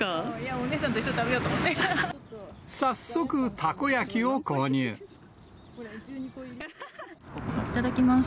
お姉さんと一緒に食べようと早速、いただきます。